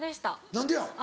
何でや？